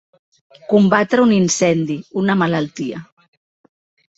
Combatre un incendi, una malaltia.